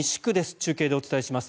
中継でお伝えします。